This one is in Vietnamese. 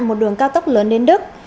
một đường cao tốc lớn đến đức